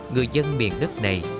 người dân miền đất này